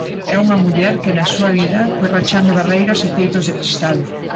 É unha muller que na súa vida foi rachando barreiras e teitos de cristal.